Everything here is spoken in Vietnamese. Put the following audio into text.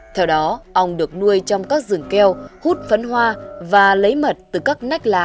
theo đó ong được nuôi trong các rừng keo hút phấn hoa và lấy mật từ các nách lá